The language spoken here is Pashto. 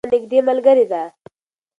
هغه زما نږدې ملګرې ده.